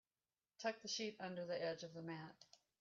Tuck the sheet under the edge of the mat.